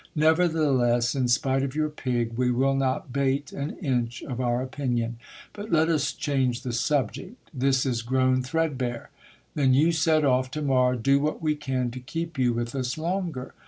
Nevertheless, in spite of your pig, we will not bate an inch of our opinion. But let us change the subject, this is grown threadbare. Then you set off to morrow, do what we can to keep you with us longer